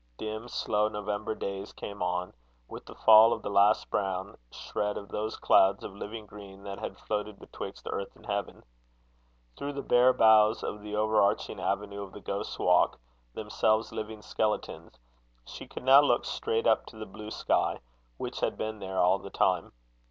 Dim, slow November days came on, with the fall of the last brown shred of those clouds of living green that had floated betwixt earth and heaven. Through the bare boughs of the overarching avenue of the Ghost's Walk, themselves living skeletons, she could now look straight up to the blue sky, which had been there all the time.